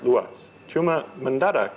luas cuma mendadak